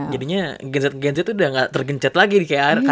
jadinya gen z tuh udah ga tergencet lagi di krl gitu kan